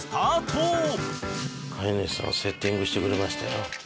飼い主さんセッティングしてくれましたよ。